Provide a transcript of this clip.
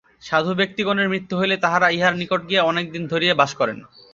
সাধু ব্যক্তিগণের মৃত্যু হইলে তাঁহারা ইঁহার নিকট গিয়া অনেক দিন ধরিয়া বাস করেন।